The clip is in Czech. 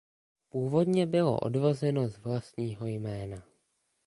Původně bylo odvozeno z vlastního jména.